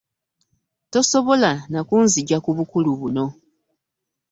Tosobola na kunzigya ku bukulu buno.